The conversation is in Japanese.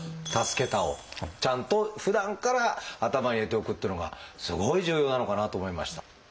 「たすけた」をちゃんとふだんから頭に入れておくっていうのがすごい重要なのかなと思いました。